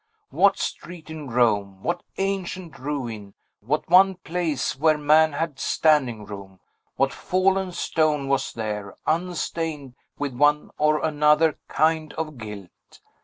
What street in Rome, what ancient ruin, what one place where man had standing room, what fallen stone was there, unstained with one or another kind of guilt!